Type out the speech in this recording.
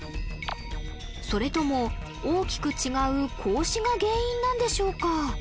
それとも大きく違う格子が原因なんでしょうか？